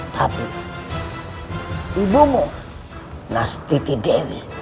tapi ibumu nastiti dewi